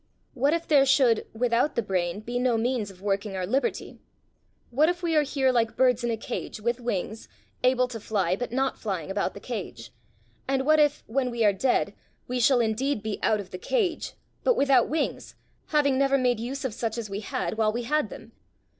What if there should, without the brain, be no means of working our liberty? What if we are here like birds in a cage, with wings, able to fly but not flying about the cage; and what if, when we are dead, we shall indeed be out of the cage, but without wings, having never made use of such as we had while we had them?